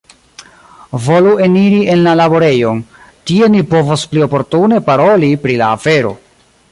Volu eniri en la laborejon; tie ni povos pli oportune paroli pri la afero.